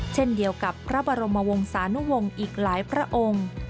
เช่นเดียวกับพระบรมวงศานุวงศ์อีกหลายพระองค์